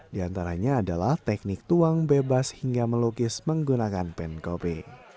di antaranya adalah teknik tuang bebas hingga melukis menggunakan pen copy